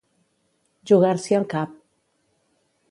Jugar-s'hi el cap.